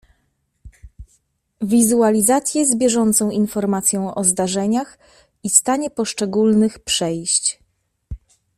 Wizualizacje z bieżącą informacją o zdarzeniach i stanie poszczególnych przejść.